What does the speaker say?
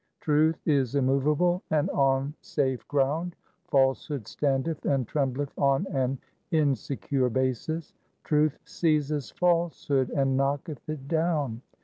Truth is immovable and on safe ground ; falsehood standeth and trembleth on an insecure basis. Truth seizeth falsehood and knocketh it down.